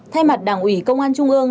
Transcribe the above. thay mặt đảng ủy công an trung ương